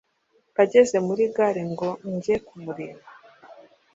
ageze muri gare ngo njye kumureba